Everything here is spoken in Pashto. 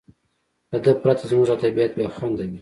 له ده پرته زموږ ادبیات بې خونده وي.